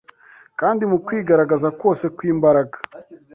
kandi mu kwigaragaza kose kw’imbaraga